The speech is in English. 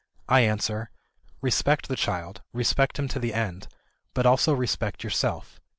I answer, Respect the child, respect him to the end, but also respect yourself....